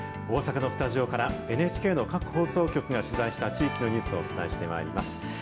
大阪のスタジオからＮＨＫの各放送局が取材した地域のニュースをお伝えしてまいります。